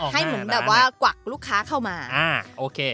ให้เหมือนแบบว่ากวักลูกค้าเข้ามาอ่าโอเค